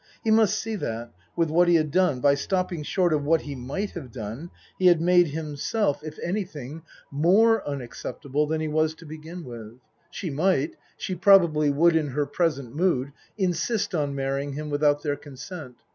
He must see that, with what he had done, by stopping short of what he might have done, he had made himself, 6* 84 Tasker Jevons if anything, more unacceptable than he was to begin with. She might she probably would in her present mood insist on marrying him without their consent.